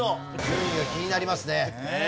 順位が気になりますね。